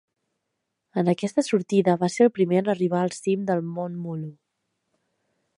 En aquesta sortida va ser el primer en arribar al cim de Mount Mulu.